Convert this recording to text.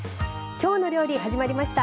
「きょうの料理」始まりました。